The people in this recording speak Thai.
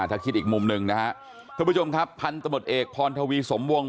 อ่าถ้าคิดอีกมุมหนึ่งนะฮะทุกผู้ชมครับพันธุ์ตะหมดเอกพรทวีสมวง